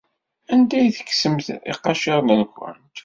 Anda ay tekksemt iqaciren-nwent?